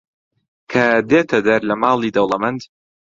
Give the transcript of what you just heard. کە دێتە دەر لە ماڵی دەوڵەمەند